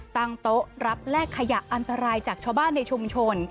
ตั้งโต๊ะรับแลกขยะอันตรายจากชาวบ้านในชุมชน